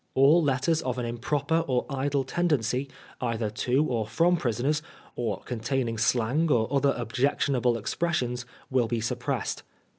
A11 Letters of an improper or idle tendency, either to or n Frisoners, or containing slang or other objectionable ex^ A LONO NIOHT. 173^ preafdons, will be suppressed.